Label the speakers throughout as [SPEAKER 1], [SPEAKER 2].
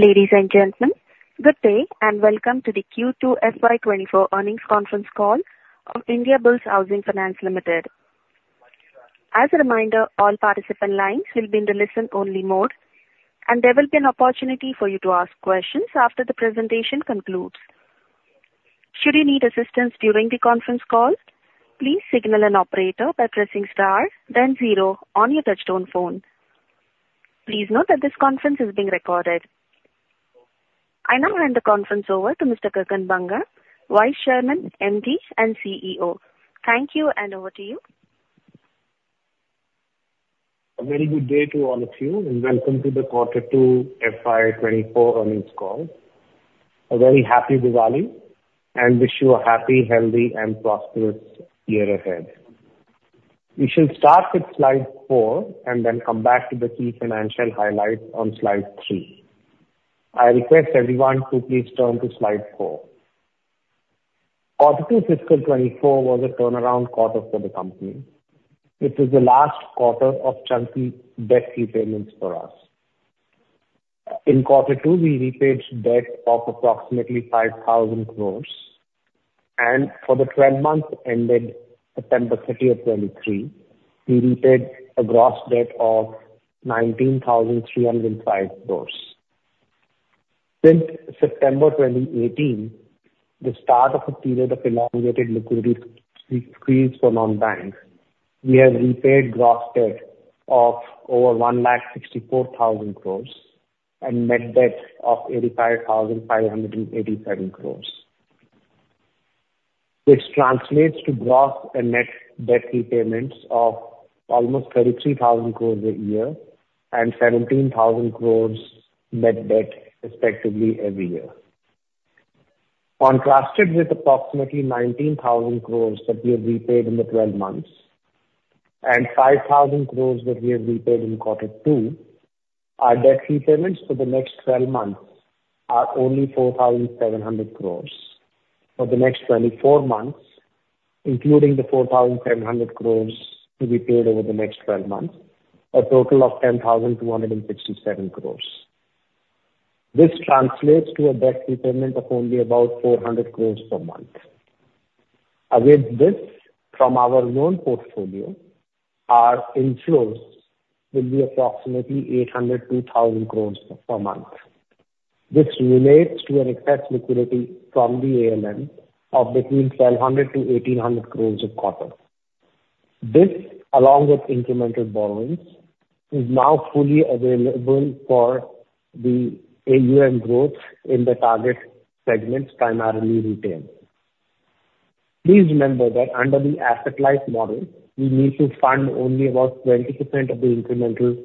[SPEAKER 1] Ladies and gentlemen, good day, and welcome to the Q2 FY 2024 earnings conference call of Indiabulls Housing Finance Limited. As a reminder, all participant lines will be in the listen-only mode, and there will be an opportunity for you to ask questions after the presentation concludes. Should you need assistance during the conference call, please signal an operator by pressing star, then zero on your touchtone phone. Please note that this conference is being recorded. I now hand the conference over to Mr. Gagan Banga, Vice Chairman, MD, and CEO. Thank you, and over to you.
[SPEAKER 2] A very good day to all of you, and welcome to the Quarter 2 FY 2024 earnings call. A very happy Diwali, and wish you a happy, healthy, and prosperous year ahead. We shall start with slide 4 and then come back to the key financial highlights on slide 3. I request everyone to please turn to slide 4. Quarter 2 fiscal 2024 was a turnaround quarter for the company. It was the last quarter of chunky debt repayments for us. In quarter 2, we repaid debt of approximately 5,000 crore, and for the 12 months ended September 30, 2023, we repaid a gross debt of 19,305 crore. Since September 2018, the start of a period of elongated liquidity crunch for non-banks, we have repaid gross debt of over 164,000 crore and net debt of 85,587 crore. This translates to gross and net debt repayments of almost 33,000 crore a year and 17,000 crore net debt, respectively, every year. Contasted with approximately 19,000 crore that we have repaid in the twelve months and 5,000 crore that we have repaid in quarter two, our debt repayments for the next twelve months are only 4,700 crore. For the next twenty-four months, including the 4,700 crore to be paid over the next twelve months, a total of 10,267 crore. This translates to a debt repayment of only about 400 crore per month. With this, from our loan portfolio, our inflows will be approximately 800-1,000 crores per month. This relates to an excess liquidity from the ALM of between 1,200-1,800 crores a quarter. This, along with incremental borrowings, is now fully available for the AUM growth in the target segments, primarily retail. Please remember that under the asset-light model, we need to fund only about 20% of the incremental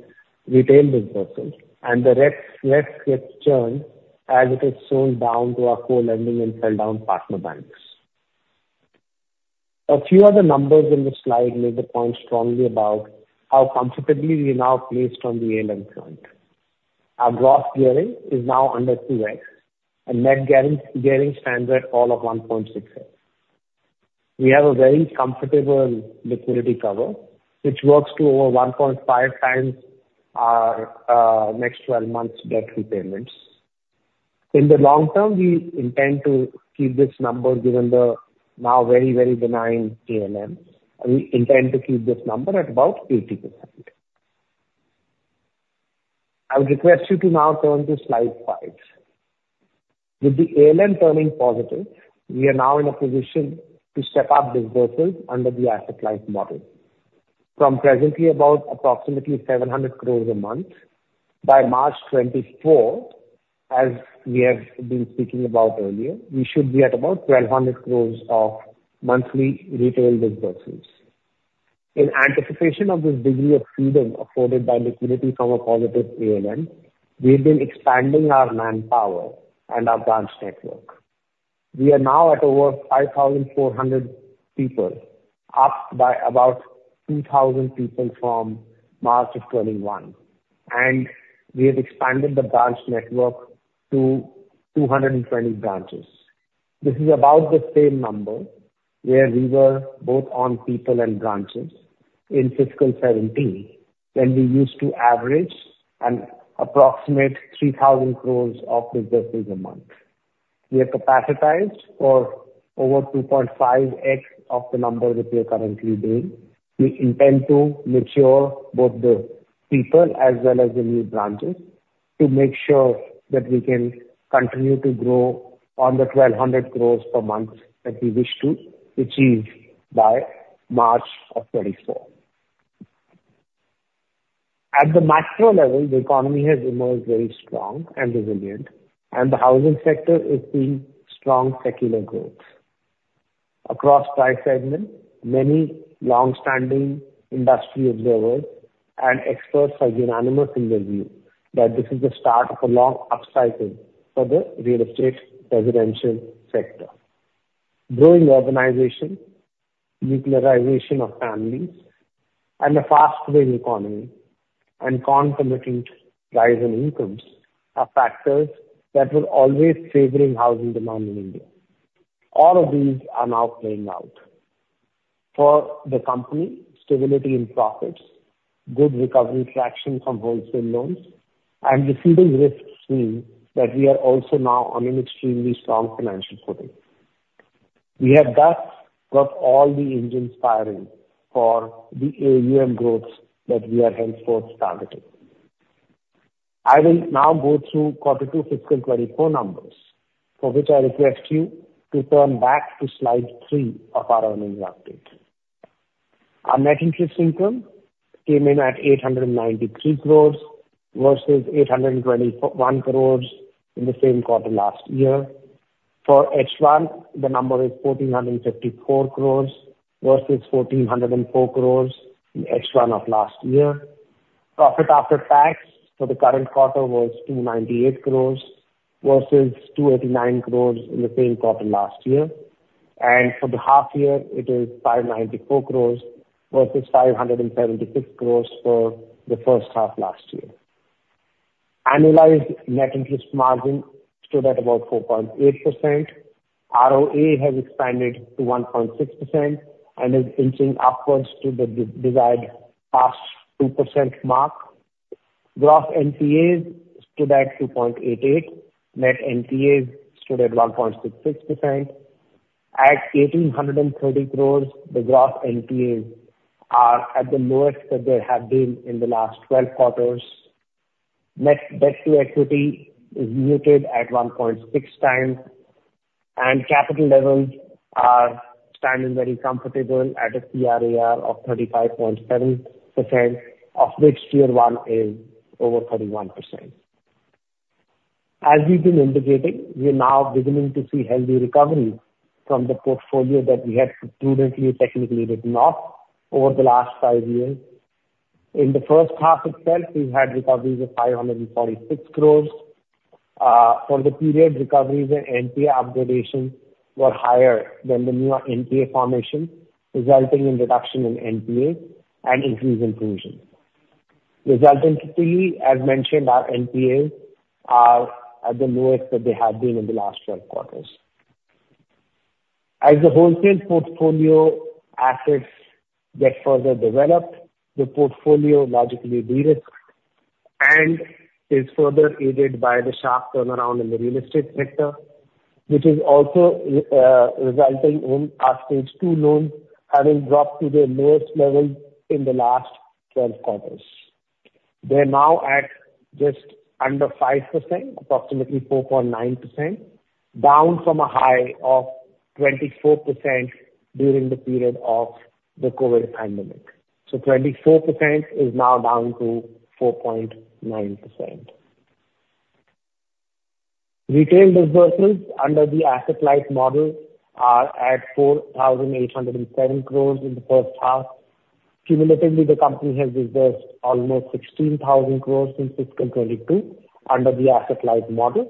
[SPEAKER 2] retail disbursements, and the rest, let's get churn as it is sold down to our core lending and sell-down partner banks. A few other numbers in the slide make a point strongly about how comfortably we are now placed on the ALM front. Our gross gearing is now under 2x, and net gearing, gearing stands at all of 1.6x. We have a very comfortable liquidity cover, which works to over 1.5 times our next 12 months debt repayments. In the long term, we intend to keep this number, given the now very, very benign ALM, and we intend to keep this number at about 80%. I would request you to now turn to slide 5. With the ALM turning positive, we are now in a position to step up disbursements under the asset-light model from presently about approximately 700 crore a month. By March 2024, as we have been speaking about earlier, we should be at about 1,200 crore of monthly retail disbursements. In anticipation of this degree of freedom afforded by liquidity from a positive ALM, we've been expanding our manpower and our branch network. We are now at over 5,400 people, up by about 2,000 people from March 2021, and we have expanded the branch network to 220 branches. This is about the same number where we were both on people and branches in fiscal 2017, when we used to average an approximate 3,000 crore of disbursements a month. We are capacitized for over 2.5x of the number that we are currently doing. We intend to mature both the people as well as the new branches, to make sure that we can continue to grow on the 1,200 crore per month that we wish to achieve by March 2024. At the macro level, the economy has emerged very strong and resilient, and the housing sector is seeing strong secular growth. Across price segments, many long-standing industry observers and experts are unanimous in their view that this is the start of a long upcycle for the real estate residential sector. Growing urbanization, nuclearization of families, and a fast-growing economy and concomitant rise in incomes are factors that were always favoring housing demand in India. All of these are now playing out... for the company, stability in profits, good recovery traction from wholesale loans, and receding risks mean that we are also now on an extremely strong financial footing. We have thus got all the engines firing for the AUM growth that we are henceforth targeting. I will now go through quarter two fiscal 2024 numbers, for which I request you to turn back to slide 3 of our earnings update. Our net interest income came in at 893 crore, versus 821 crore in the same quarter last year. For H1, the number is 1,454 crore, versus 1,404 crore in H1 of last year. Profit after tax for the current quarter was 298 crore, versus 289 crore in the same quarter last year, and for the half year, it is 594 crore versus 576 crore for the first half last year. Annualized net interest margin stood at about 4.8%. ROA has expanded to 1.6% and is inching upwards to the desired past 2% mark. Gross NPAs stood at 2.88%, net NPAs stood at 1.66%. At 1,830 crore, the gross NPAs are at the lowest that they have been in the last 12 quarters. Net debt to equity is muted at 1.6 times, and capital levels are standing very comfortable at a CRAR of 35.7%, of which Tier I is over 31%. As we've been indicating, we are now beginning to see healthy recovery from the portfolio that we had prudently, technically written off over the last 5 years. In the first half itself, we've had recoveries of 546 crore. For the period, recoveries and NPA upgradations were higher than the new NPA formation, resulting in reduction in NPA and increase in provision. Resultantly, as mentioned, our NPAs are at the lowest that they have been in the last 12 quarters. As the wholesale portfolio assets get further developed, the portfolio logically derisked and is further aided by the sharp turnaround in the real estate sector, which is also resulting in our stage two loans having dropped to the lowest level in the last 12 quarters. They're now at just under 5%, approximately 4.9%, down from a high of 24% during the period of the COVID pandemic. So 24% is now down to 4.9%. Retail disbursements under the asset-light model are at 4,807 crore in the first half. Cumulatively, the company has dispersed almost 16,000 crore since fiscal 2022 under the asset-light model.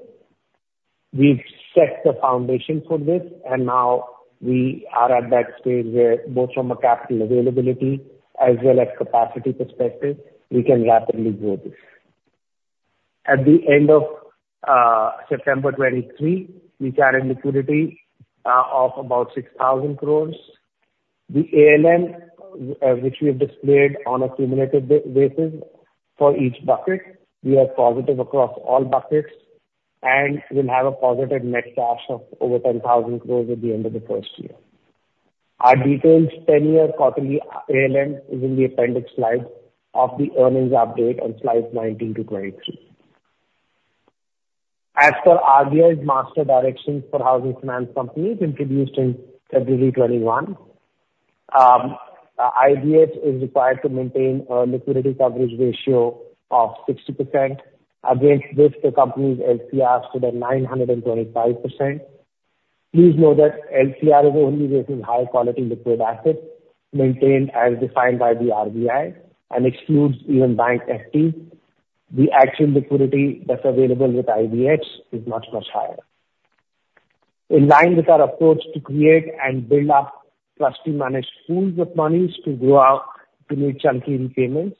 [SPEAKER 2] We've set the foundation for this, and now we are at that stage where both from a capital availability as well as capacity perspective, we can rapidly grow this. At the end of September 2023, we carry liquidity of about 6,000 crore. The ALM, which we have displayed on a cumulative basis for each bucket, we are positive across all buckets and will have a positive net cash of over 10,000 crore at the end of the first year. Our detailed ten-year quarterly ALM is in the appendix slide of the earnings update on slides 19-22. As per RBI's master directions for housing finance companies introduced in February 2021, IBHFL is required to maintain a liquidity coverage ratio of 60%. Against this, the company's LCR stood at 925%. Please note that LCR is only based on high quality liquid assets maintained as defined by the RBI and excludes even bank FD. The actual liquidity that's available with IBHFL is much, much higher. In line with our approach to create and build up trustee managed pools of monies to grow out to meet chunky repayments,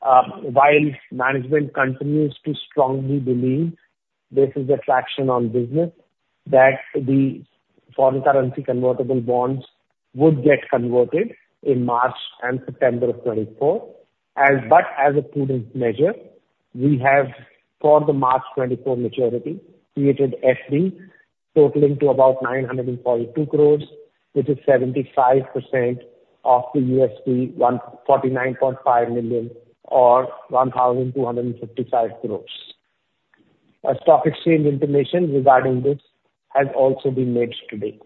[SPEAKER 2] while management continues to strongly believe this is the traction on business, that the foreign currency convertible bonds would get converted in March and September of 2024. But as a prudent measure, we have, for the March 2024 maturity, created FD totaling to about 942 crore, which is 75% of the $149.5 million, or 1,255 crore. A stock exchange information regarding this has also been made today.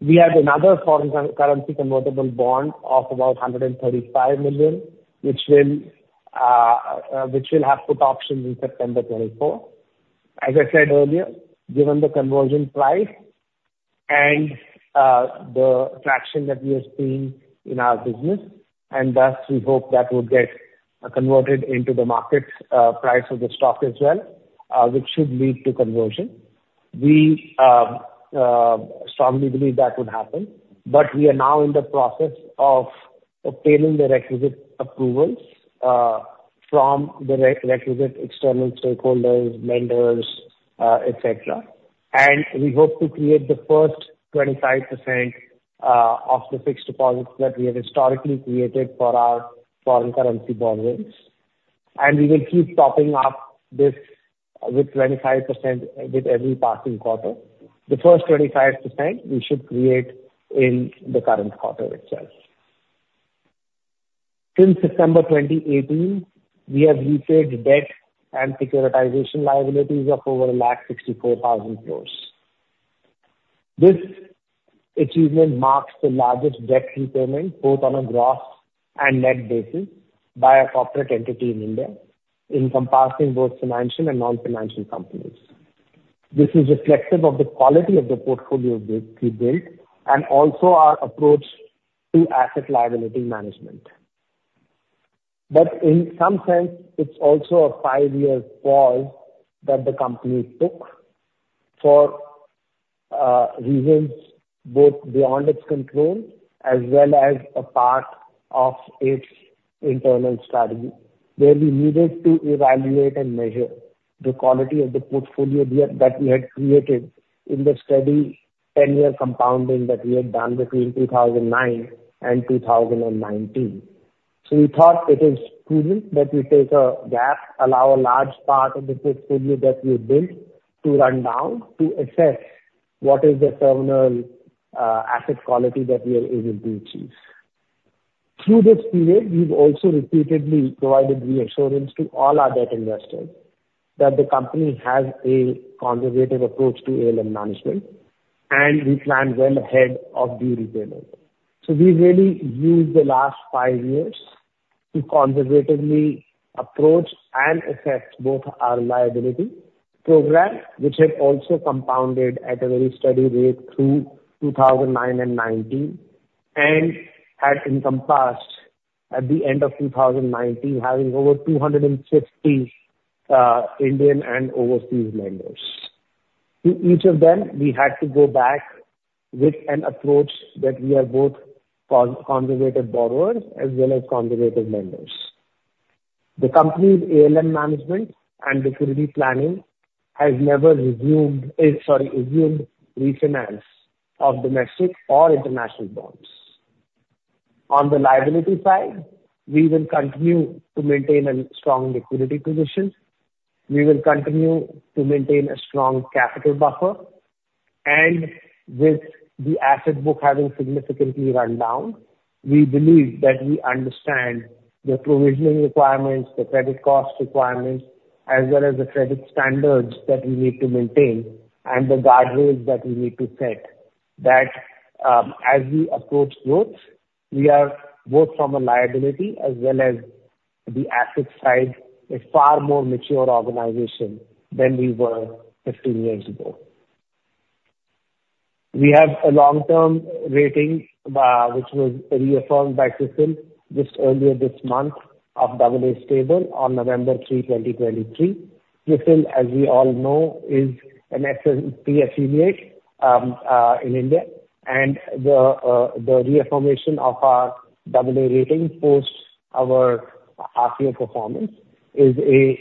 [SPEAKER 2] We have another foreign currency convertible bond of about $135 million, which will have put options in September 2024. As I said earlier, given the conversion price and the traction that we are seeing in our business, and thus we hope that would get converted into the market's price of the stock as well, which should lead to conversion. We strongly believe that would happen, but we are now in the process of obtaining the requisite approvals from the requisite external stakeholders, lenders, et cetera. And we hope to create the first 25% of the fixed deposits that we have historically created for our foreign currency borrowings, and we will keep topping up this with 25% with every passing quarter. The first 25% we should create in the current quarter itself. Since September 2018, we have repaid debt and securitization liabilities of over 164,000 crore. This achievement marks the largest debt repayment, both on a gross and net basis, by a corporate entity in India, encompassing both financial and non-financial companies. This is reflective of the quality of the portfolio we built, and also our approach to Asset Liability Management. But in some sense, it's also a five-year pause that the company took for reasons both beyond its control as well as a part of its internal strategy, where we needed to evaluate and measure the quality of the portfolio we had created in the steady ten-year compounding that we had done between 2009 and 2019. So we thought it is prudent that we take a gap, allow a large part of the portfolio that we built to run down, to assess what is the terminal asset quality that we are able to achieve. Through this period, we've also repeatedly provided reassurance to all our debt investors that the company has a conservative approach to ALM management, and we plan well ahead of due repayment. So we really used the last five years to conservatively approach and assess both our liability program, which had also compounded at a very steady rate through 2009 and 2019, and had encompassed, at the end of 2019, having over 250 Indian and overseas members. To each of them, we had to go back with an approach that we are both conservative borrowers as well as conservative lenders. The company's ALM management and liquidity planning has never assumed refinance of domestic or international bonds. On the liability side, we will continue to maintain a strong liquidity position. We will continue to maintain a strong capital buffer. And with the asset book having significantly run down, we believe that we understand the provisioning requirements, the credit cost requirements, as well as the credit standards that we need to maintain and the guardrails that we need to set. That, as we approach growth, we are both from a liability as well as the asset side, a far more mature organization than we were 15 years ago. We have a long-term rating, which was reaffirmed by CRISIL just earlier this month of AA stable on November 3, 2023. CRISIL, as we all know, is an S&P affiliate in India, and the reaffirmation of our AA rating post our RPO performance is a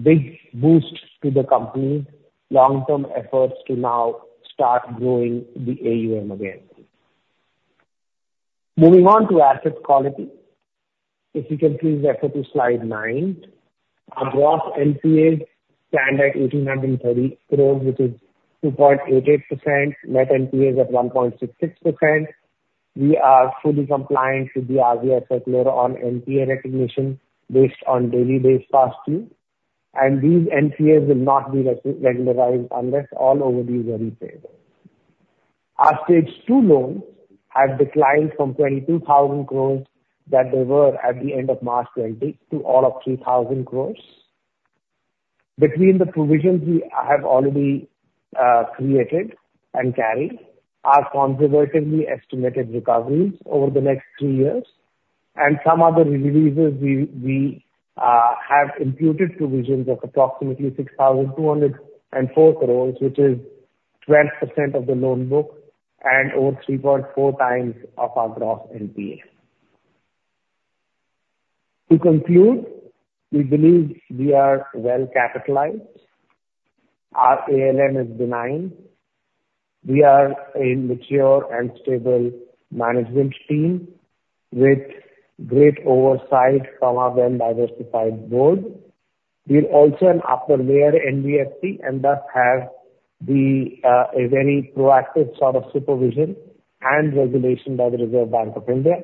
[SPEAKER 2] big boost to the company's long-term efforts to now start growing the AUM again. Moving on to asset quality. If you can please refer to slide 9. Our gross NPAs stand at 1,830 crore, which is 2.88%. Net NPA is at 1.66%. We are fully compliant with the RBI Circular on NPA recognition based on daily stamping, and these NPAs will not be regularized unless all over these are repayable. Our stage two loans have declined from 22,000 crore that they were at the end of March 2020, to all of 3,000 crore. Between the provisions we have already created and carried, our conservatively estimated recoveries over the next 3 years and some other releases, we have imputed provisions of approximately 6,204 crores, which is 12% of the loan book and over 3.4 times of our gross NPAs. To conclude, we believe we are well capitalized. Our ALM is benign. We are a mature and stable management team with great oversight from our well-diversified board. We're also an Upper Layer NBFC and thus have a very proactive sort of supervision and regulation by the Reserve Bank of India.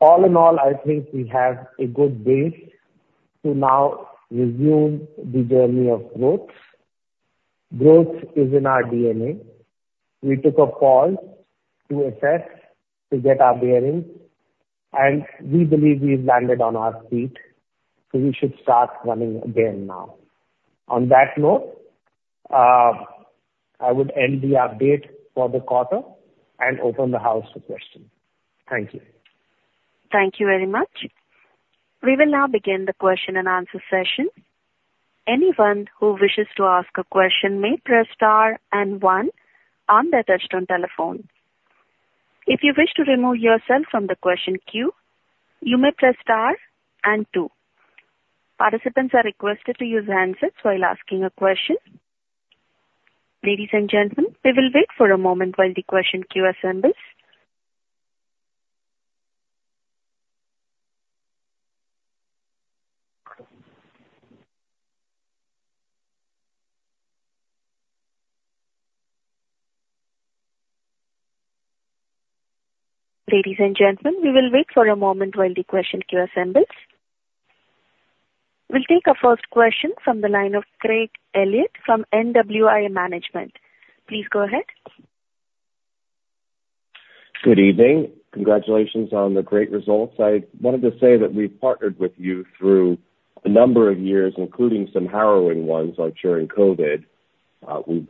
[SPEAKER 2] All in all, I think we have a good base to now resume the journey of growth. Growth is in our DNA. We took a pause to assess, to get our bearings, and we believe we've landed on our feet, so we should start running again now. On that note, I would end the update for the quarter and open the house for questions. Thank you.
[SPEAKER 1] Thank you very much. We will now begin the question and answer session. Anyone who wishes to ask a question may press star and one on their touchtone telephone.... If you wish to remove yourself from the question queue, you may press star and two. Participants are requested to use hand sets while asking a question. Ladies and gentlemen, we will wait for a moment while the question queue assembles. Ladies and gentlemen, we will wait for a moment while the question queue assembles. We'll take our first question from the line of Craig Elliott from NWI Management. Please go ahead.
[SPEAKER 3] Good evening. Congratulations on the great results. I wanted to say that we've partnered with you through a number of years, including some harrowing ones, like during COVID. We've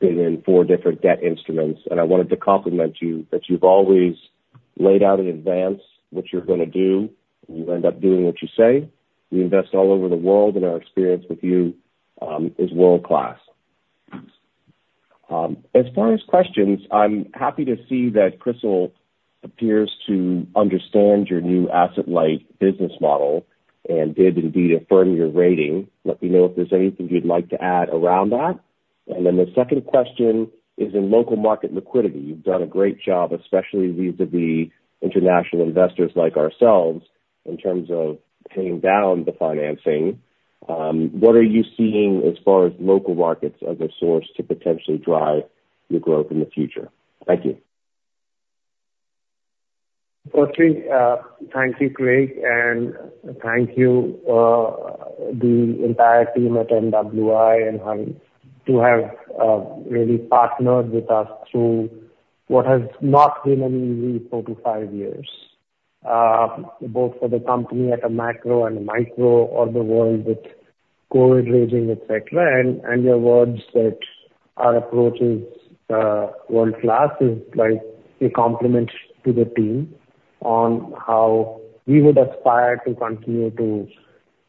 [SPEAKER 3] been in four different debt instruments, and I wanted to compliment you that you've always laid out in advance what you're gonna do, and you end up doing what you say. We invest all over the world, and our experience with you is world-class. As far as questions, I'm happy to see that CRISIL appears to understand your new asset-light business model and did indeed affirm your rating. Let me know if there's anything you'd like to add around that. And then the second question is in local market liquidity. You've done a great job, especially vis-à-vis international investors like ourselves, in terms of paying down the financing. What are you seeing as far as local markets as a source to potentially drive your growth in the future? Thank you.
[SPEAKER 2] Okay. Thank you, Craig, and thank you, the entire team at NWI for really partnering with us through what has not been an easy 4-5 years. Both for the company at a macro and micro, or the world with COVID raging, et cetera. And your words that our approach is world-class is like a compliment to the team on how we aspire to continue to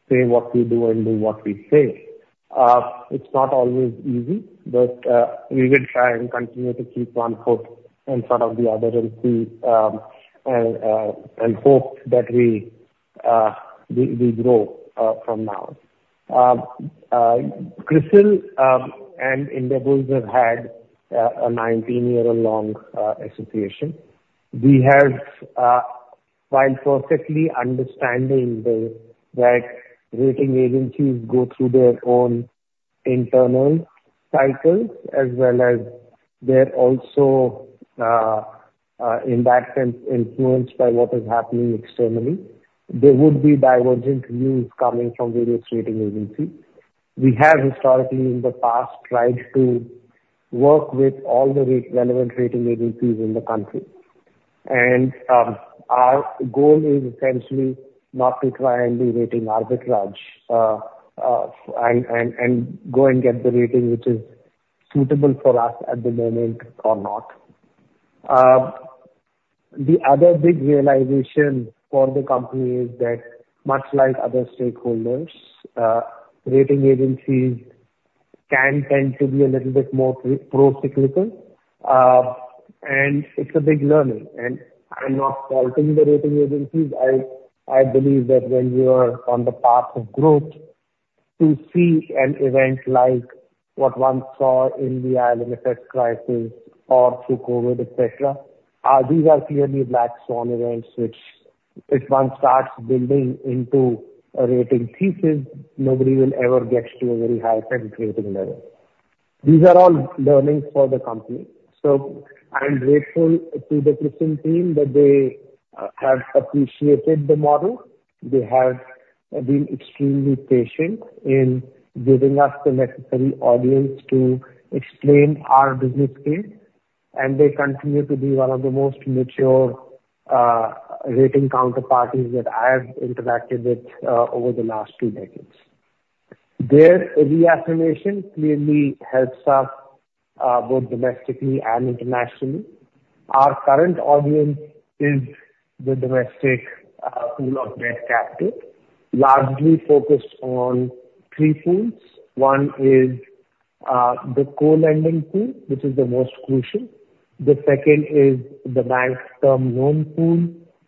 [SPEAKER 2] say what we do and do what we say. It's not always easy, but we will try and continue to keep one foot in front of the other and see, and hope that we, we, we grow from now. CRISIL and Indiabulls have had a 19-year-long association. We have, while perfectly understanding that rating agencies go through their own internal cycles, as well as they're also impacted and influenced by what is happening externally, there would be divergent views coming from various rating agencies. We have historically, in the past, tried to work with all the relevant rating agencies in the country. Our goal is essentially not to try and do rating arbitrage, and go and get the rating which is suitable for us at the moment or not. The other big realization for the company is that, much like other stakeholders, rating agencies can tend to be a little bit more pro-cyclical. And it's a big learning, and I'm not faulting the rating agencies. I believe that when you are on the path of growth, to see an event like what one saw in the IL&FS crisis or through COVID, et cetera, these are clearly black swan events, which if one starts building into a rating thesis, nobody will ever get to a very high credit rating level. These are all learnings for the company. So I am grateful to the CRISIL team that they have appreciated the model. They have been extremely patient in giving us the necessary audience to explain our business case, and they continue to be one of the most mature rating counterparties that I have interacted with over the last two decades. Their re-affirmation clearly helps us both domestically and internationally. Our current audience is the domestic pool of debt capital, largely focused on three pools. One is, the co-lending pool, which is the most crucial. The second is the bank term loan pool,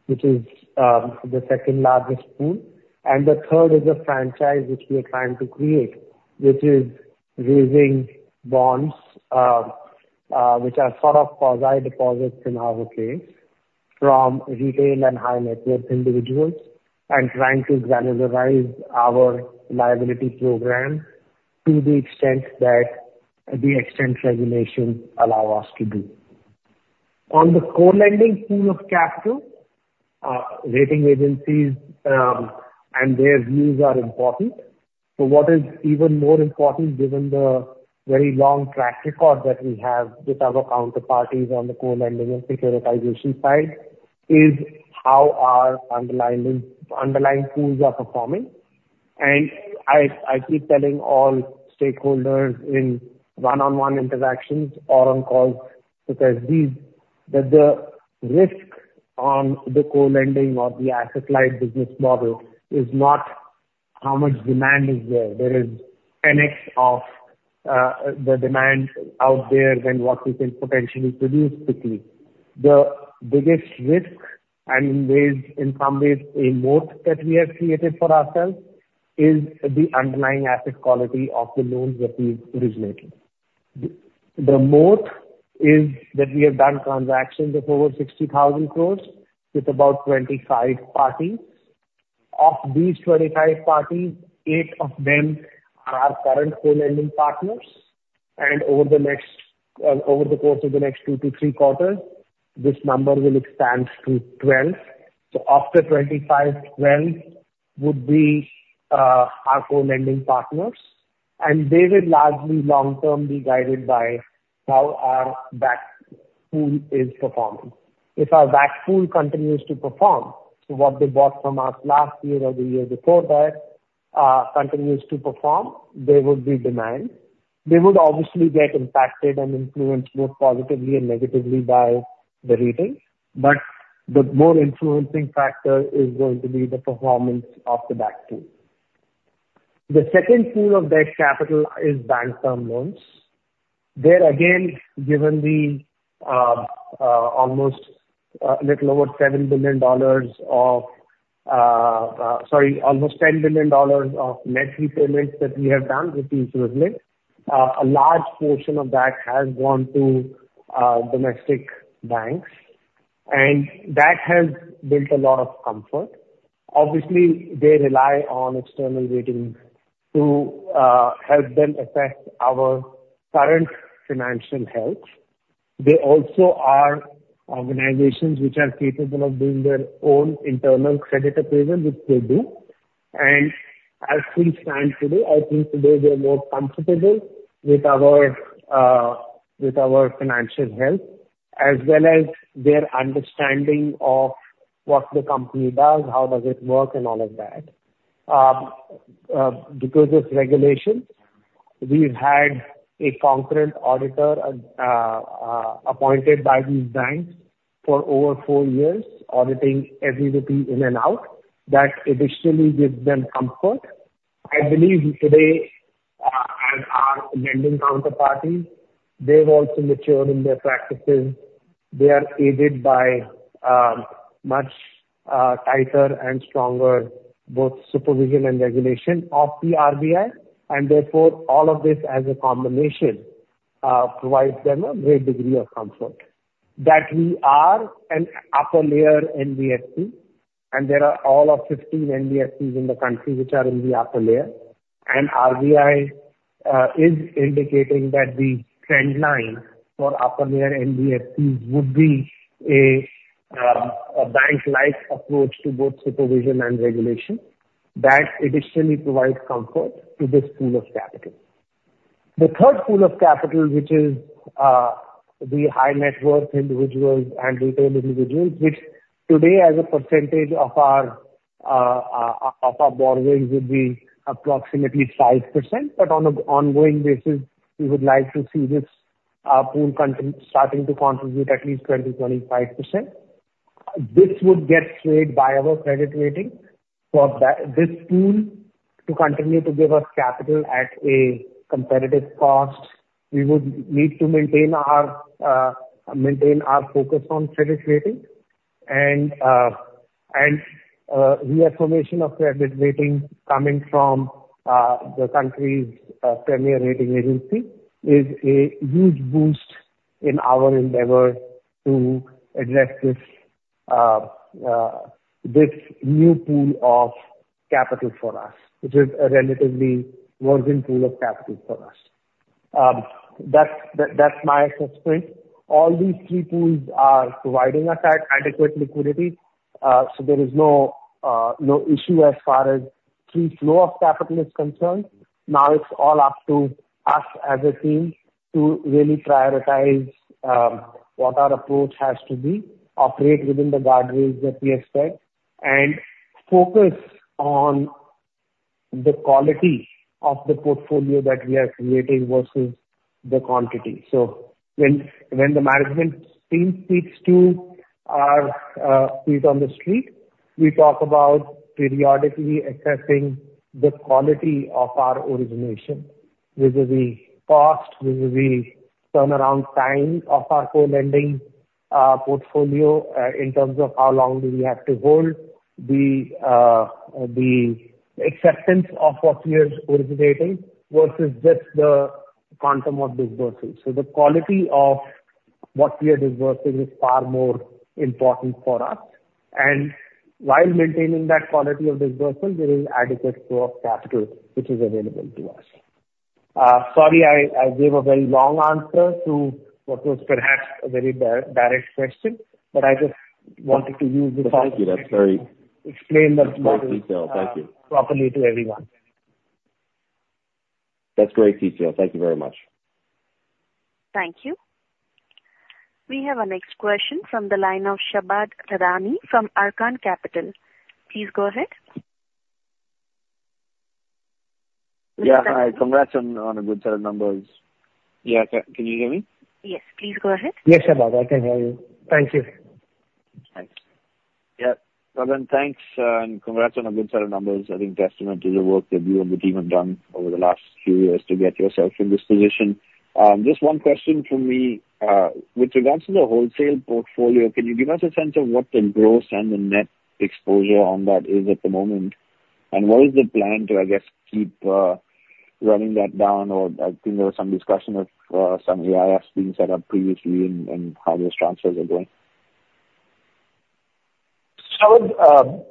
[SPEAKER 2] which is, the second largest pool. And the third is a franchise which we are trying to create, which is raising bonds, which are sort of quasi-deposits in our case, from retail and high net worth individuals, and trying to valorize our liability program to the extent that regulations allow us to do. On the co-lending pool of capital, rating agencies, and their views are important. So what is even more important, given the very long track record that we have with our counterparties on the co-lending and securitization side, is how our underlying pools are performing. I keep telling all stakeholders in one-on-one interactions or on calls, such as these, that the risk on the co-lending or the asset-light business model is not how much demand is there. There is an excess of the demand out there than what we can potentially produce quickly. The biggest risk, and in ways, in some ways, a moat that we have created for ourselves, is the underlying asset quality of the loans that we've originated. The moat is that we have done transactions of over 60,000 crore, with about 25 parties. Of these 25 parties, 8 of them are our current co-lending partners, and over the course of the next 2-3 quarters, this number will expand to 12. So after 25, 12 would be our co-lending partners, and they will largely long-term be guided by how our back pool is performing. If our back pool continues to perform, so what they bought from us last year or the year before that continues to perform, there would be demand. They would obviously get impacted and influenced both positively and negatively by the ratings, but the more influencing factor is going to be the performance of the back pool. The second pool of deck capital is bank term loans. There again, given the almost little over $7 billion of sorry, almost $10 billion of net repayments that we have done with these results, a large portion of that has gone to domestic banks, and that has built a lot of comfort. Obviously, they rely on external ratings to help them assess our current financial health. They also are organizations which are capable of doing their own internal credit appraisal, which they do, and as things stand today, I think today they're more comfortable with our with our financial health, as well as their understanding of what the company does, how does it work, and all of that. Because it's regulation, we've had a concurrent auditor appointed by these banks for over four years, auditing every rupee in and out. That additionally gives them comfort. I believe today, as our lending counterparty, they've also matured in their practices. They are aided by much tighter and stronger, both supervision and regulation of the RBI, and therefore all of this as a combination provides them a great degree of comfort. That we are an Upper Layer NBFC, and there are all of 15 NBFCs in the country which are in the upper layer, and RBI is indicating that the trend line for Upper Layer NBFCs would be a bank-like approach to both supervision and regulation. That additionally provides comfort to this pool of capital. The third pool of capital, which is the high-net-worth individuals and retail individuals, which today as a percentage of our of our borrowers would be approximately 5%, but on an ongoing basis, we would like to see this pool starting to contribute at least 20%-25%. This would get swayed by our credit rating. For this pool to continue to give us capital at a competitive cost, we would need to maintain our focus on credit rating and the affirmation of credit rating coming from the country's premier rating agency is a huge boost in our endeavor to address this new pool of capital for us. It is a relatively virgin pool of capital for us. That's my assessment. All these three pools are providing us adequate liquidity, so there is no issue as far as free flow of capital is concerned. Now it's all up to us as a team to really prioritize what our approach has to be, operate within the guardrails that we expect, and focus on the quality of the portfolio that we are creating versus the quantity. So when, when the management team speaks to our feet on the street, we talk about periodically assessing the quality of our origination. This is the cost, this is the turnaround time of our co-lending portfolio, in terms of how long do we have to hold the acceptance of what we are originating versus just the quantum of disbursement. So the quality of what we are disbursing is far more important for us, and while maintaining that quality of disbursement, there is adequate flow of capital which is available to us. Sorry, I, I gave a very long answer to what was perhaps a very direct question, but I just wanted to use this-
[SPEAKER 3] Thank you. That's very-
[SPEAKER 2] Explain that-
[SPEAKER 3] Great detail. Thank you.
[SPEAKER 2] Properly to everyone.
[SPEAKER 3] That's great detail. Thank you very much.
[SPEAKER 1] Thank you. We have our next question from the line of Shabad Thadani from Arkkan Capital. Please go ahead. ...
[SPEAKER 4] Yeah, hi. Congrats on a good set of numbers. Yeah, can you hear me?
[SPEAKER 1] Yes, please go ahead.
[SPEAKER 2] Yes, Shabad, I can hear you. Thank you.
[SPEAKER 4] Thanks. Yeah, well then, thanks, and congrats on a good set of numbers. I think testament to the work that you and the team have done over the last few years to get yourself in this position. Just one question from me. With regards to the wholesale portfolio, can you give us a sense of what the gross and the net exposure on that is at the moment? And what is the plan to, I guess, keep, running that down? Or I think there was some discussion of, some AIFs being set up previously and, and how those transfers are going.
[SPEAKER 2] So,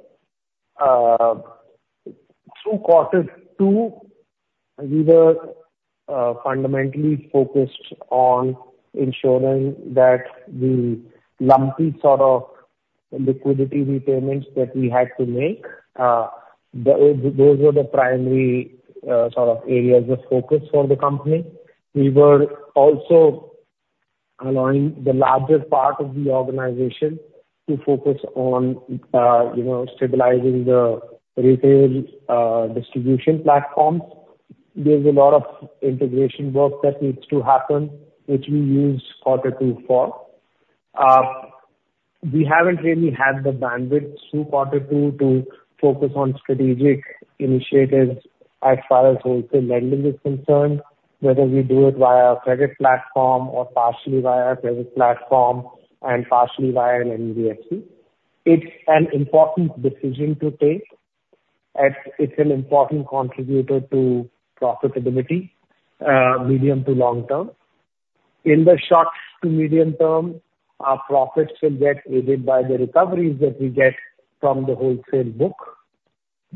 [SPEAKER 2] through Quarter Two, we were fundamentally focused on ensuring that the lumpy sort of liquidity repayments that we had to make, those were the primary sort of areas of focus for the company. We were also allowing the largest part of the organization to focus on, you know, stabilizing the retail distribution platforms. There's a lot of integration work that needs to happen, which we used Quarter Two for. We haven't really had the bandwidth through Quarter Two to focus on strategic initiatives as far as wholesale lending is concerned, whether we do it via a credit platform or partially via a credit platform, and partially via an NBFC. It's an important decision to take, as it's an important contributor to profitability, medium to long term. In the short to medium term, our profits will get aided by the recoveries that we get from the wholesale book,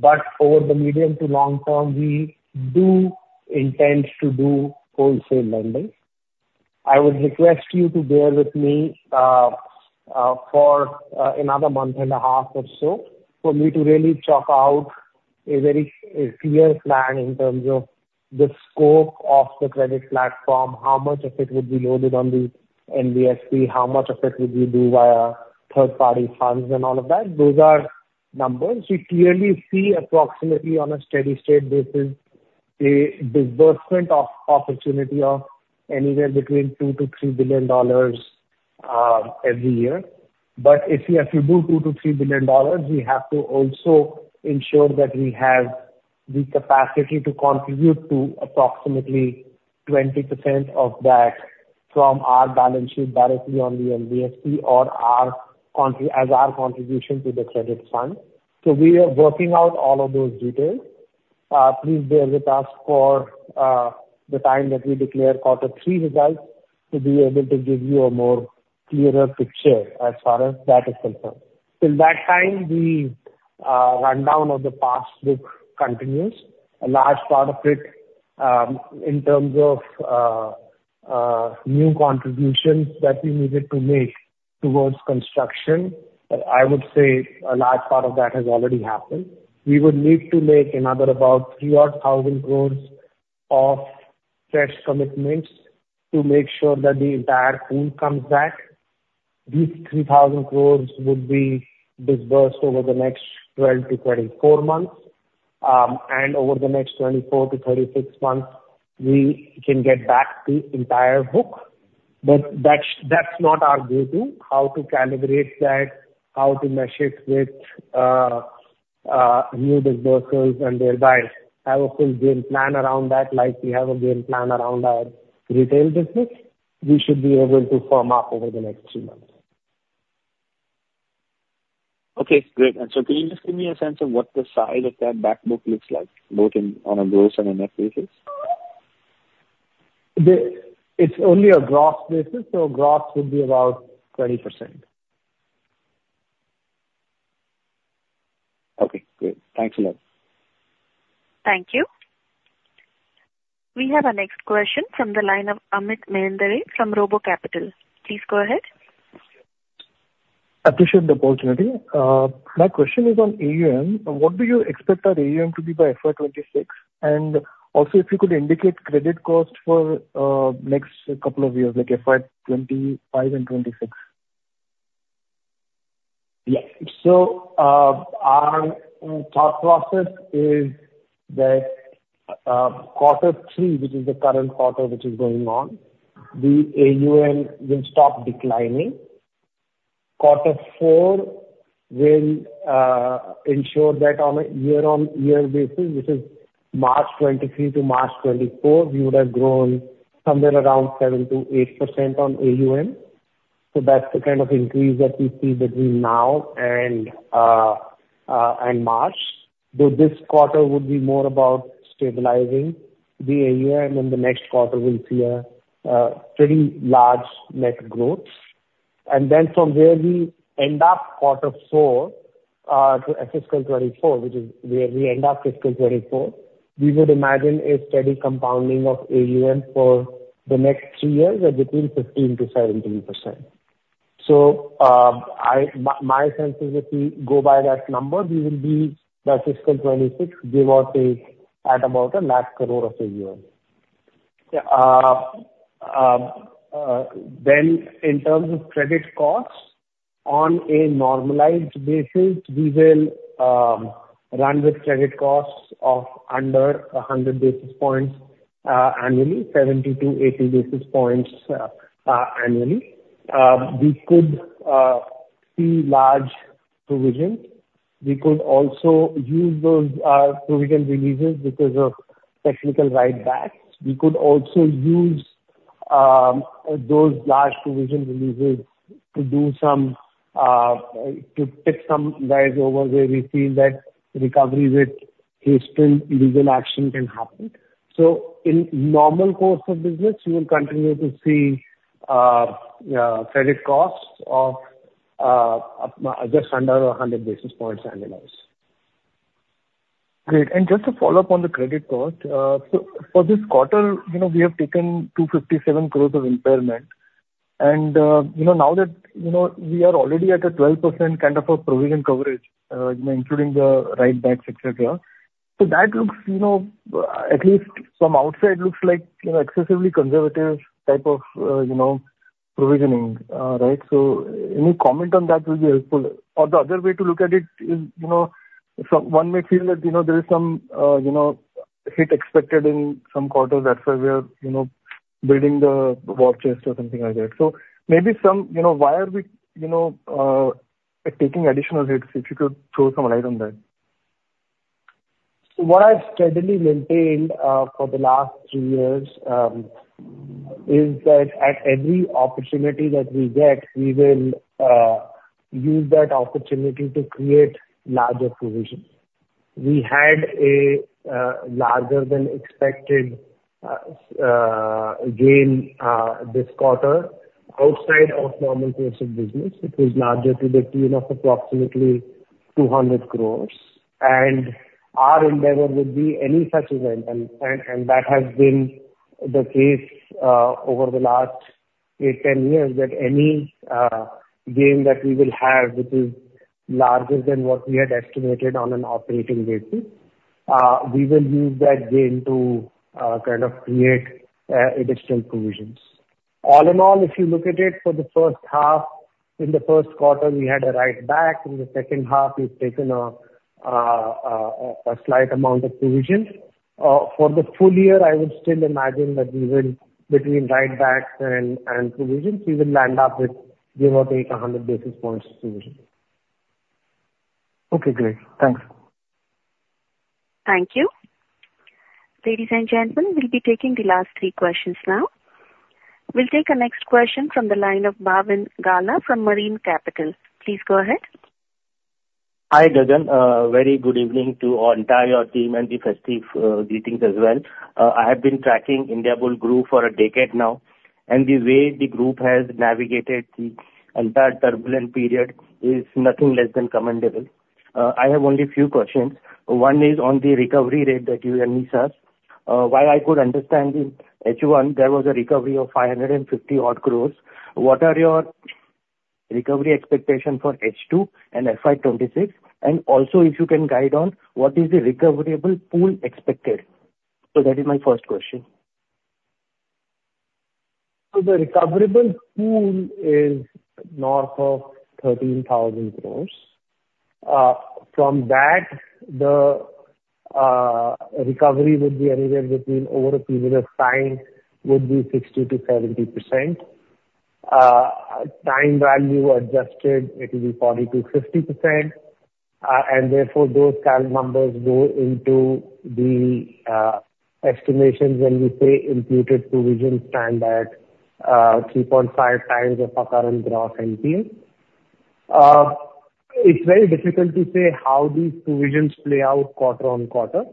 [SPEAKER 2] but over the medium to long term, we do intend to do wholesale lending. I would request you to bear with me for another month and a half or so, for me to really chalk out a clear plan in terms of the scope of the credit platform, how much of it would be loaded on the NBFC, how much of it would we do via third-party funds and all of that. Those are numbers. We clearly see approximately on a steady state basis, a disbursement of opportunity of anywhere between $2 billion-$3 billion every year. But if we have to do $2billion-$3 billion, we have to also ensure that we have the capacity to contribute to approximately 20% of that from our balance sheet, directly on the NBFC or as our contribution to the credit fund. So we are working out all of those details. Please bear with us for the time that we declare Quarter Three results, to be able to give you a more clearer picture as far as that is concerned. Till that time, the rundown of the past book continues. A large part of it in terms of new contributions that we needed to make towards construction, but I would say a large part of that has already happened. We would need to make another about 3,000-odd crore of fresh commitments to make sure that the entire pool comes back. These 3,000 crore would be disbursed over the next 12-24 months. Over the next 24-36 months, we can get back the entire book. But that's, that's not our go-to. How to calibrate that, how to mesh it with, new disbursements and thereby have a full game plan around that, like we have a game plan around our retail business, we should be able to firm up over the next 2 months.
[SPEAKER 4] Okay, great. So can you just give me a sense of what the size of that back book looks like, both on a gross and a net basis?
[SPEAKER 2] It's only a gross basis, so gross would be about 20%.
[SPEAKER 4] Okay, great. Thanks a lot.
[SPEAKER 1] Thank you. We have our next question from the line of Amit Mehendale from RoboCapital. Please go ahead.
[SPEAKER 5] Appreciate the opportunity. My question is on AUM. What do you expect our AUM to be by FY2026? And also, if you could indicate credit cost for next couple of years, like FY 2025 and 2026.
[SPEAKER 2] Yeah. So, our thought process is that, Quarter Three, which is the current quarter which is going on, the AUM will stop declining. Quarter Four will ensure that on a year-on-year basis, which is March 2023 to March 2024, we would have grown somewhere around 7%-8% on AUM. So that's the kind of increase that we see between now and, and March. So this quarter would be more about stabilizing the AUM, and then the next quarter we'll see a pretty large net growth. And then from where we end up Quarter Four, to fiscal 2024, which is where we end up fiscal 2024, we would imagine a steady compounding of AUM for the next three years at between 15%-17%. So, my sense is, if we go by that number, we will be by fiscal 2026, give or take, at about 100,000 crore of AUM. Then in terms of credit costs, on a normalized basis, we will run with credit costs of under 100 basis points annually, 70-80 basis points annually. We could see large provisions. We could also use those provision releases because of technical write-backs. We could also use those large provision releases to do some, to take some write-over where we feel that recovery with case still legal action can happen. So in normal course of business, you will continue to see credit costs of just under 100 basis points annualized.
[SPEAKER 5] Great. And just to follow up on the credit cost, so for this quarter, you know, we have taken 257 crore of impairment, and, you know, now that, you know, we are already at a 12% kind of a provision coverage, including the write backs, etc. So that looks, you know, at least from outside, looks like, you know, excessively conservative type of, you know, provisioning, right? So any comment on that will be helpful. Or the other way to look at it is, you know, someone may feel that, you know, there is some, you know, hit expected in some quarters, that's why we are, you know, building the war chest or something like that. So maybe some, you know, why are we, you know, taking additional hits? If you could throw some light on that.
[SPEAKER 2] What I've steadily maintained for the last 2 years is that at every opportunity that we get, we will use that opportunity to create larger provisions. We had a larger than expected gain this quarter outside of normal course of business. It was larger to the tune of approximately 200 crore, and our endeavor would be any such event, and that has been the case over the last 8, 10 years, that any gain that we will have, which is larger than what we had estimated on an operating basis, we will use that gain to kind of create additional provisions. All in all, if you look at it for the first half, in the first quarter, we had a write back, in the second half, we've taken a slight amount of provisions. For the full year, I would still imagine that we will, between write backs and provisions, we will land up with give or take, 100 basis points provision.
[SPEAKER 5] Okay, great. Thanks.
[SPEAKER 1] Thank you. Ladies and gentlemen, we'll be taking the last three questions now. We'll take our next question from the line of Bhavin Gala from Marine Capital. Please go ahead.
[SPEAKER 6] Hi, Gagan. Very good evening to our entire team and the festive meetings as well. I have been tracking Indiabulls Group for a decade now, and the way the group has navigated the entire turbulent period is nothing less than commendable. I have only a few questions. One is on the recovery rate that you mentioned. While I could understand in H1, there was a recovery of 550-odd crore, what are your recovery expectation for H2 and FY 2026? And also, if you can guide on what is the recoverable pool expected? So that is my first question.
[SPEAKER 2] So the recoverable pool is north of 13,000 crore. From that, the recovery would be anywhere between, over a period of time, would be 60%-70%. Time value adjusted, it will be 40%-50%, and therefore, those kind of numbers go into the estimations when we say imputed provisions stand at 3.5 times of current gross NPA. It's very difficult to say how these provisions play out quarter on quarter.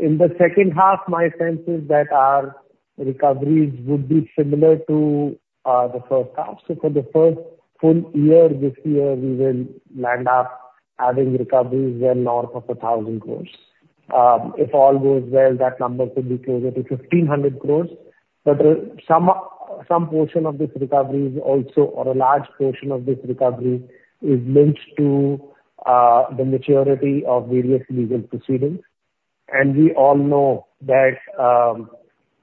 [SPEAKER 2] In the second half, my sense is that our recoveries would be similar to the first half. So for the first full year, this year, we will land up having recoveries well north of 1,000 crore. If all goes well, that number could be closer to 1,500 crore. But, some portion of this recovery is also, or a large portion of this recovery is linked to, the maturity of various legal proceedings. And we all know that,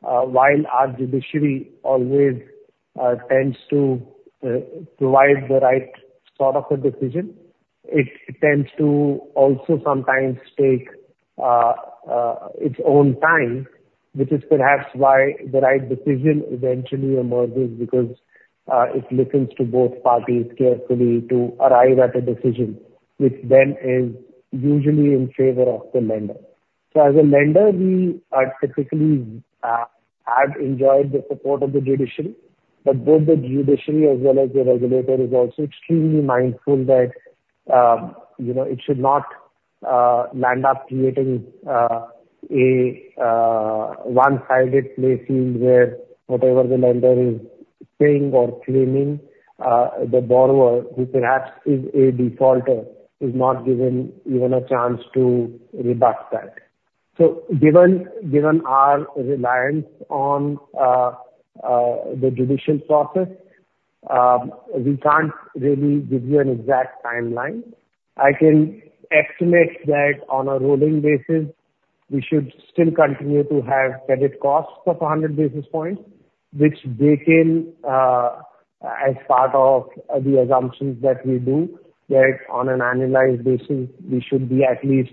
[SPEAKER 2] while our judiciary always tends to provide the right sort of a decision, it tends to also sometimes take, its own time, which is perhaps why the right decision eventually emerges, because, it listens to both parties carefully to arrive at a decision, which then is usually in favor of the lender. So as a lender, we are typically have enjoyed the support of the judiciary, but both the judiciary as well as the regulator is also extremely mindful that, you know, it should not land up creating a one-sided playing field where whatever the lender is saying or claiming the borrower, who perhaps is a defaulter, is not given even a chance to rebut that. So given our reliance on the judicial process, we can't really give you an exact timeline. I can estimate that on a rolling basis, we should still continue to have credit costs of 100 basis points, which bake in, as part of the assumptions that we do, that on an annualized basis, we should be at least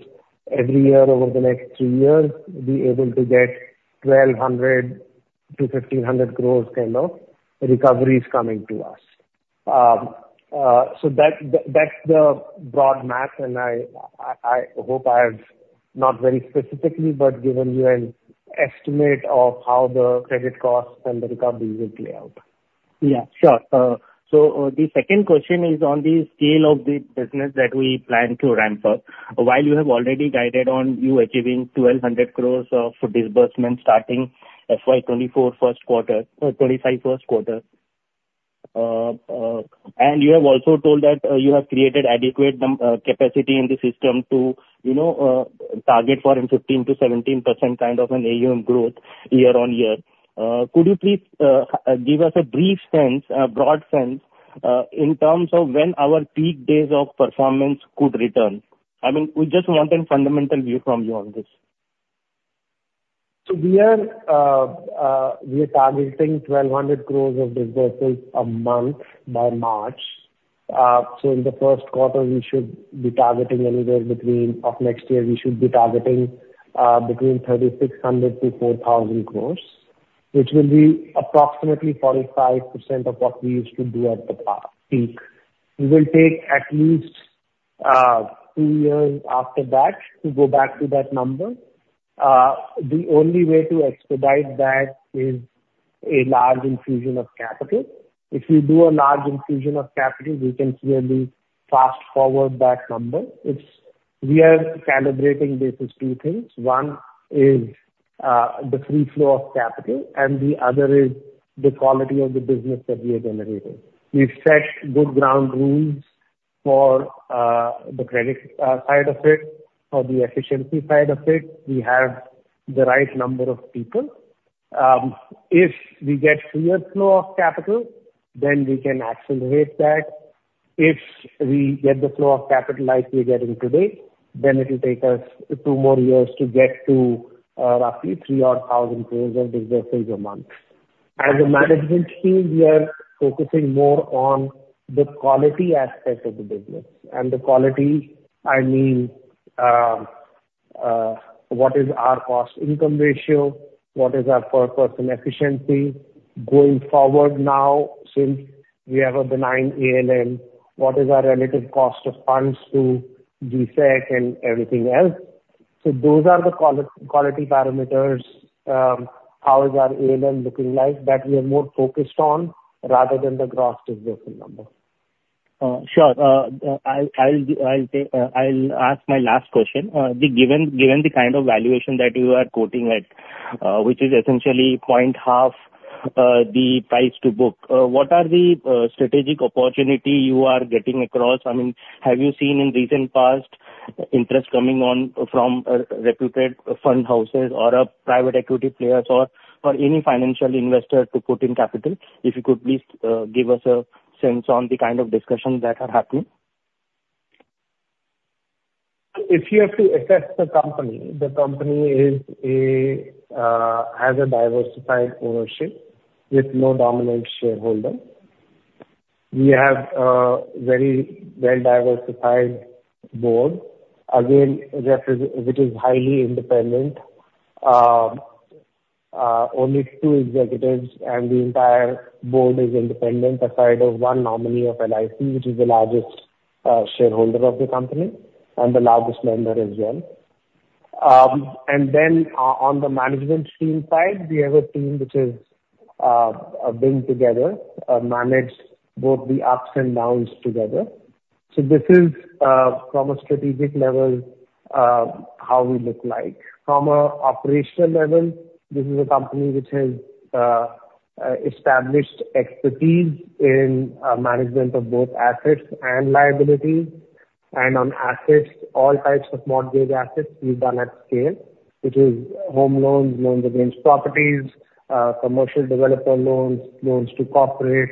[SPEAKER 2] every year over the next two years, be able to get 1,200-INR1,500 crores kind of recoveries coming to us. So that, that's the broad math, and I hope I've not very specifically, but given you an estimate of how the credit costs and the recoveries will play out.
[SPEAKER 6] Yeah, sure. So, the second question is on the scale of the business that we plan to ramp up. While you have already guided on you achieving 1,200 crore of disbursement starting FY 2024 first quarter, 2025 first quarter. And you have also told that, you have created adequate capacity in the system to, you know, target for a 15%-17% kind of an AUM growth year-on-year. Could you please give us a brief sense, a broad sense, in terms of when our peak days of performance could return? I mean, we just want a fundamental view from you on this.
[SPEAKER 2] So we are targeting 1,200 crore of disbursements a month by March. So in the first quarter, we should be targeting anywhere between of next year we should be targeting between 3,600 crore-4,000 crore, which will be approximately 45% of what we used to do at the past peak. We will take at least 2 years after that to go back to that number. The only way to expedite that is a large infusion of capital. If we do a large infusion of capital, we can really fast forward that number. We are calibrating basis 2 things. One is the free flow of capital, and the other is the quality of the business that we are generating. We've set good ground rules for the credit side of it, for the efficiency side of it. We have the right number of people. If we get freer flow of capital, then we can accelerate that. If we get the flow of capital like we're getting today, then it'll take us two more years to get to roughly 3,000 crore of disbursements a month. As a management team, we are focusing more on the quality aspect of the business. And the quality, I mean, what is our cost-income ratio? What is our per person efficiency? Going forward now, since we have a benign ALM, what is our relative cost of funds to GSEC and everything else? So those are the quality parameters, how is our ALM looking like, that we are more focused on rather than the gross disbursement number.
[SPEAKER 6] Sure. I'll say, I'll ask my last question. Given the kind of valuation that you are quoting at, which is essentially 0.5 the price to book, what are the strategic opportunities you are getting across? I mean, have you seen in recent past interest coming on from reputed fund houses or private equity players or any financial investor to put in capital? If you could please give us a sense on the kind of discussions that are happening.
[SPEAKER 2] If you have to assess the company, the company is a, has a diversified ownership with no dominant shareholder. We have a very well-diversified board, again, which is highly independent. Only two executives and the entire board is independent, aside from one nominee of LIC, which is the largest shareholder of the company and the largest lender as well. And then on the management team side, we have a team which is been together, managed both the ups and downs together. So this is from a strategic level how we look like. From an operational level, this is a company which has established expertise in management of both assets and liabilities. On assets, all types of mortgage assets we've done at scale, which is home loans, loans against properties, commercial developer loans, loans to corporate,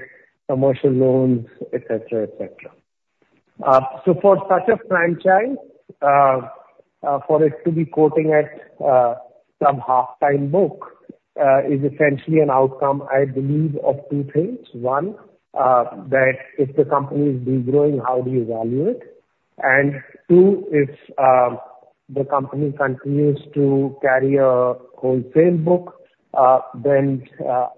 [SPEAKER 2] commercial loans, et cetera, et cetera. So for such a franchise, for it to be quoting at some half the book is essentially an outcome, I believe, of two things. One, that if the company is degrowing, how do you value it? And two, if the company continues to carry a wholesale book, then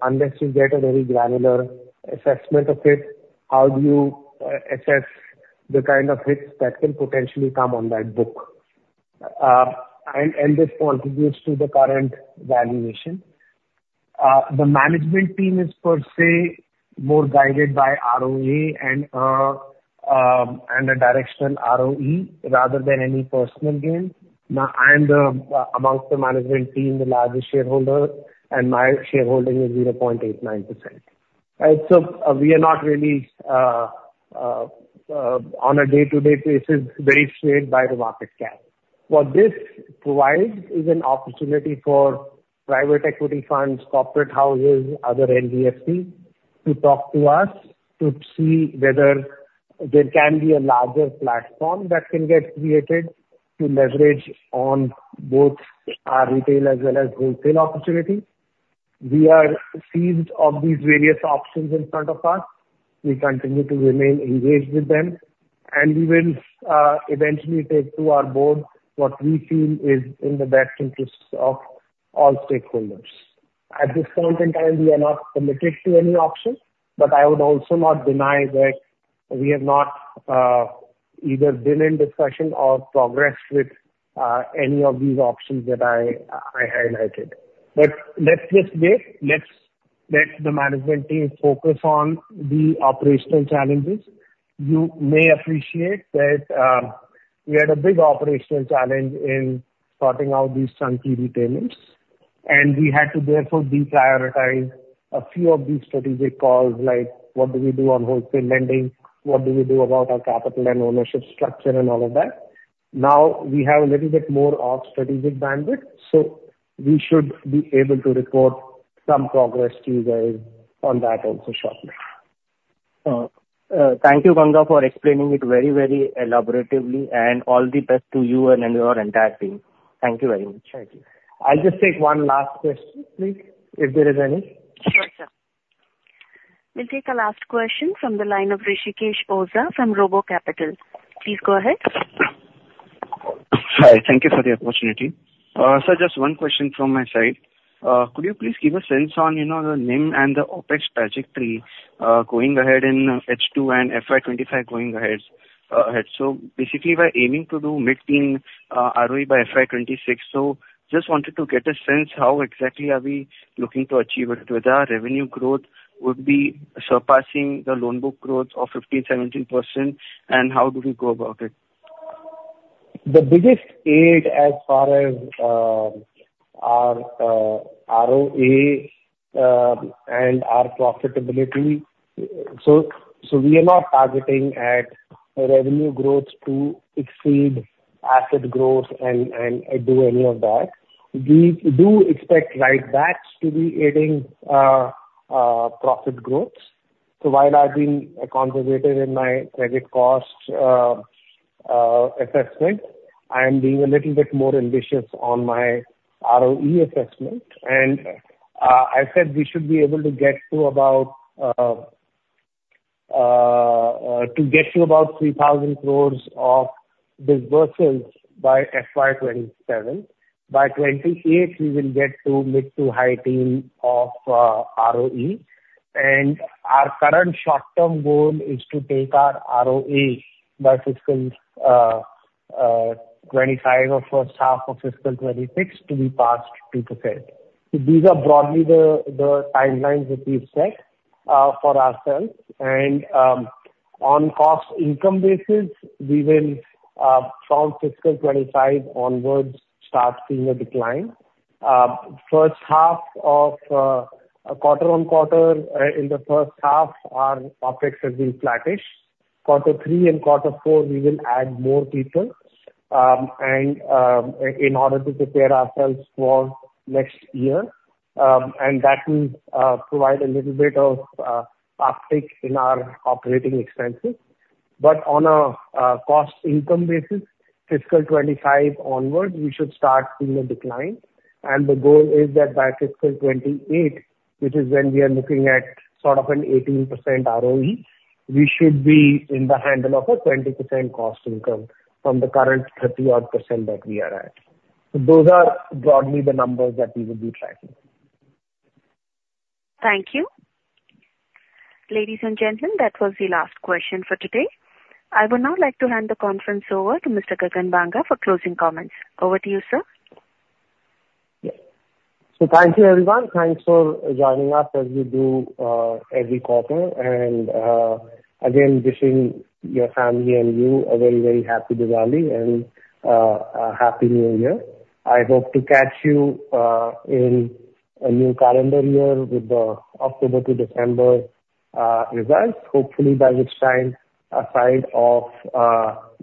[SPEAKER 2] unless you get a very granular assessment of it, how do you assess the kind of hits that will potentially come on that book? And this contributes to the current valuation. The management team is per se more guided by ROA and a directional ROE rather than any personal gain. Now, I'm the, amongst the management team, the largest shareholder, and my shareholding is 0.89%. So we are not really, on a day-to-day basis, very swayed by the market cap.... What this provides is an opportunity for private equity funds, corporate houses, other NBFCs, to talk to us, to see whether there can be a larger platform that can get created to leverage on both our retail as well as wholesale opportunities. We are seized of these various options in front of us. We continue to remain engaged with them, and we will eventually take to our board what we feel is in the best interests of all stakeholders. At this point in time, we are not committed to any option, but I would also not deny that we have not, either been in discussion or progressed with, any of these options that I, I highlighted. But let's just wait. Let's let the management team focus on the operational challenges. You may appreciate that, we had a big operational challenge in sorting out these chunky retailers, and we had to therefore deprioritize a few of these strategic calls, like: What do we do on wholesale lending? What do we do about our capital and ownership structure, and all of that. Now, we have a little bit more of strategic bandwidth, so we should be able to report some progress to you guys on that also shortly.
[SPEAKER 6] Thank you, Gagan, for explaining it very, very elaborately, and all the best to you and your entire team. Thank you very much.
[SPEAKER 2] Thank you. I'll just take one last question, please, if there is any.
[SPEAKER 1] Sure, sir. We'll take a last question from the line of Hrishikesh Bhagat from Robo Capital. Please go ahead.
[SPEAKER 7] Hi. Thank you for the opportunity. Sir, just one question from my side. Could you please give a sense on, you know, the NIM and the OpEx trajectory going ahead in H2 and FY 2025 going ahead, ahead? So basically, we're aiming to do mid-teen ROE by FY 2026. So just wanted to get a sense, how exactly are we looking to achieve it? Whether our revenue growth would be surpassing the loan book growth of 15%-17%, and how do we go about it?
[SPEAKER 2] The biggest aid as far as our ROA and our profitability, so we are not targeting at revenue growth to exceed asset growth and do any of that. We do expect writebacks to be aiding profit growth. So while I've been conservative in my credit cost assessment, I'm being a little bit more ambitious on my ROE assessment. And I said we should be able to get to about 3,000 crore of disbursements by FY 2027. By 2028, we will get to mid- to high-teens of ROE. And our current short-term goal is to take our ROE by fiscal 2025 or first half of fiscal 2026 to be past 2%. So these are broadly the timelines that we've set for ourselves. On cost income basis, we will from fiscal 2025 onwards start seeing a decline. First half of quarter-on-quarter, in the first half, our OpEx will be flattish. Quarter 3 and quarter 4, we will add more people, and in order to prepare ourselves for next year, and that will provide a little bit of uptick in our operating expenses. But on a cost income basis, fiscal 2025 onwards, we should start seeing a decline, and the goal is that by fiscal 2028, which is when we are looking at sort of an 18% ROE, we should be in the handle of a 20% cost income from the current 30-odd% that we are at. So those are broadly the numbers that we will be tracking.
[SPEAKER 1] Thank you. Ladies and gentlemen, that was the last question for today. I would now like to hand the conference over to Mr. Gagan Banga for closing comments. Over to you, sir.
[SPEAKER 2] Yes. So thank you, everyone. Thanks for joining us, as you do, every quarter. And, again, wishing your family and you a very, very happy Diwali and, a happy New Year. I hope to catch you, in a new calendar year with the October to December, results. Hopefully by which time, aside of,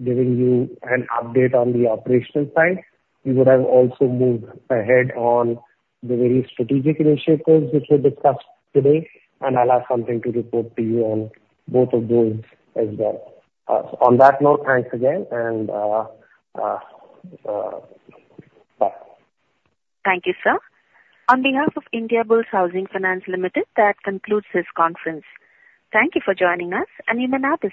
[SPEAKER 2] giving you an update on the operational side, we would have also moved ahead on the various strategic initiatives which we discussed today, and I'll have something to report to you on both of those as well. On that note, thanks again, and, bye.
[SPEAKER 1] Thank you, sir. On behalf of Indiabulls Housing Finance Limited, that concludes this conference. Thank you for joining us, and you may now disconnect.